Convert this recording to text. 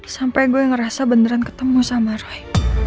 sampai gue ngerasa beneran ketemu sama rohy